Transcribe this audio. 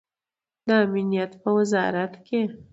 د امنیت په وزارت کې